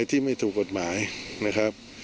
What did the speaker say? ที่ไม่ถูกกฎหมายนะครับ